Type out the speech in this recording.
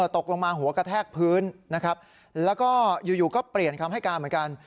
ตกลงมาหัวกระแทกพื้นนะครับแล้วก็อยู่ก็เปลี่ยนคำให้การเหมือนกัน